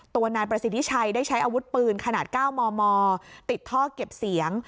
ตัวนายประสิทธิชัยได้ใช้อาวุธปืนขนาด๙มมติดท่อเก็บเสียง